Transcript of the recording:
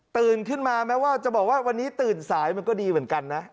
ขึ้นมาแม้ว่าจะบอกว่าวันนี้ตื่นสายมันก็ดีเหมือนกันนะ